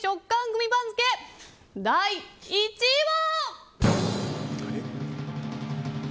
グミ番付、第１位は。